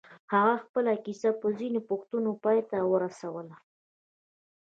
هغه خپله کيسه په ځينو پوښتنو پای ته ورسوله.